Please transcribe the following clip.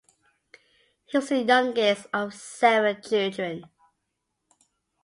He was the youngest of seven children.